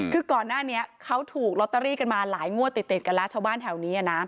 คือก่อนหน้านี้เขาถูกลอตเตอรี่กันมาหลายงวดติดกันแล้วชาวบ้านแถวนี้